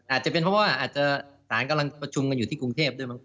อาจจะเป็นเพราะว่าสารกำลังประชุมอยู่ที่กรุงเทพฯด้วยมั้งครับ